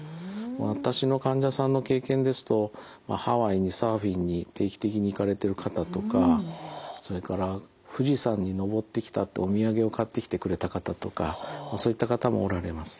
私の患者さんの経験ですとハワイにサーフィンに定期的に行かれてる方とかそれから富士山に登ってきたってお土産を買ってきてくれた方とかそういった方もおられます。